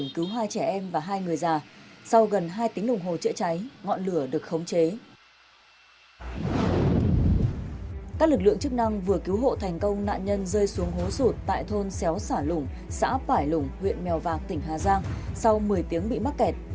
các lực lượng chức năng vừa cứu hộ thành công nạn nhân rơi xuống hố sụt tại thôn xéo xả lũng xã vải lủng huyện mèo vạc tỉnh hà giang sau một mươi tiếng bị mắc kẹt